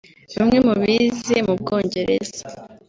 Bamwe mu bize mu Bwongereza